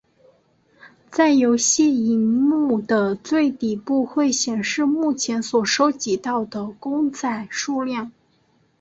在游戏萤幕的最底部会显示目前所收集到的公仔数量。